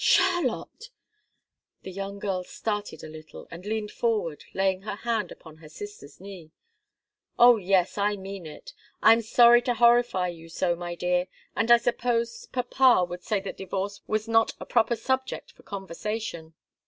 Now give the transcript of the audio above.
"Charlotte!" The young girl started a little, and leaned forward, laying her hand upon her sister's knee. "Oh, yes! I mean it. I'm sorry to horrify you so, my dear, and I suppose papa would say that divorce was not a proper subject for conversation.